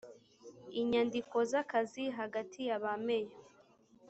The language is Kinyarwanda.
inyandiko z akazi hagati ya ba meya